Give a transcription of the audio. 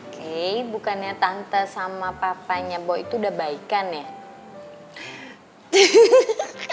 oke bukannya tante sama papanya bahwa itu udah baikan ya